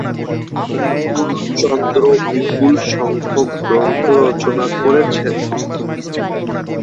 অনুকূলচন্দ্র বিপুল সংখ্যক গ্রন্থ রচনা করেছেন।